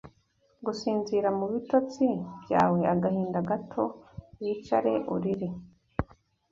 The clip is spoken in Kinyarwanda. gusinzira! mu bitotsi byawe Agahinda gato wicare urire